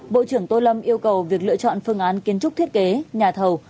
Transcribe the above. bộ trưởng tô lâm yêu cầu việc lựa chọn phương án kiến trúc thiết kế nhà thầu